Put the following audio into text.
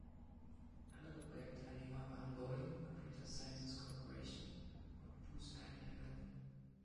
Andere Projektteilnehmer waren Boeing, Computer Sciences Corporation und Booz Allen Hamilton.